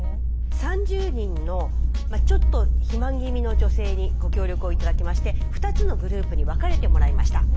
３０人のちょっと肥満気味の女性にご協力を頂きまして２つのグループに分かれてもらいました。